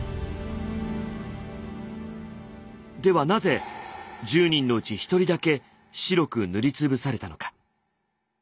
ではなぜ１０人のうち一人だけ白く塗りつぶされたのか。